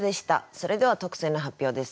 それでは特選の発表です。